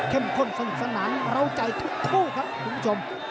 เข้มข้นสงสันานร้าวใจทุกครับคุณผู้ชม